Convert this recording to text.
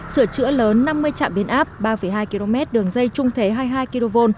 sửa chữa lớn năm mươi trạm biến áp ba hai km đường dây trung thế hai mươi hai kv